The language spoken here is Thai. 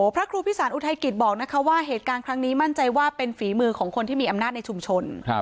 พระครูพิสารอุทัยกิจบอกนะคะว่าเหตุการณ์ครั้งนี้มั่นใจว่าเป็นฝีมือของคนที่มีอำนาจในชุมชน